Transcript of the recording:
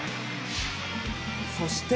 そして。